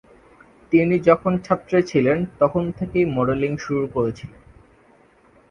তিনি যখন ছাত্রী ছিলেন তখন থেকেই মডেলিং শুরু করেছিলেন।